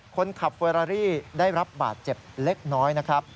คนขับเวอรารี่ได้รับบาดเจ็บเล็กน้อยนะครับ